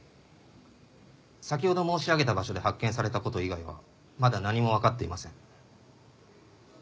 先ほど申し上げた場所で発見された事以外はまだ何もわかっていません。